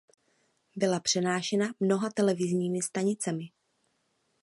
Byla přenášena mnoha televizními stanicemi.